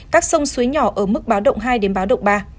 các sông suối nhỏ ở mức báo động hai đến báo động ba